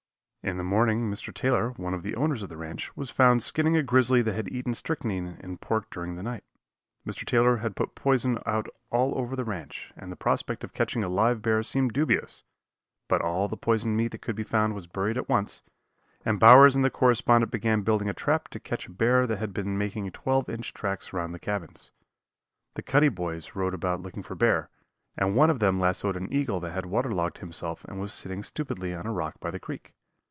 In the morning Mr. Taylor, one of the owners of the ranch, was found skinning a grizzly that had eaten strychnine in pork during the night. Mr. Taylor had put poison out all over the ranch and the prospect of catching a live bear seemed dubious, but all the poisoned meat that could be found was buried at once, and Bowers and the correspondent began building a trap to catch a bear that had been making twelve inch tracks around the cabins. The Cuddy boys rode about looking for bear, and one of them lassoed an eagle that had waterlogged himself and was sitting stupidly on a rock by the creek.